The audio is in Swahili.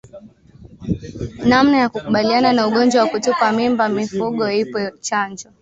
Namna yakukabiliana na ugonjwa wa kutupa mimba mifugo ipwe chanjo